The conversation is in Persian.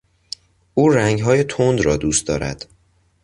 او رنگهای تند را دوست دارد.